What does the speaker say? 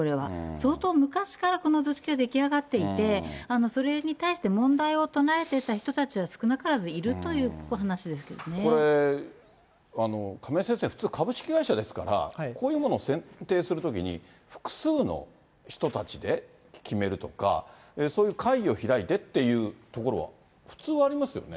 相当昔からこの図式は出来上がっていて、それに対して問題を唱えていた人たちは少なからずいるという話でこれ、亀井先生、普通株式会社ですから、こういうもの選定するときに複数の人たちで決めるとか、そういう会議を開いてっていうところは普通ありますよね。